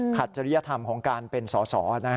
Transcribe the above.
ขัดเจริยธรรมของการเป็นสอนะฮะ